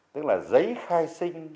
tức là giấy khai sinh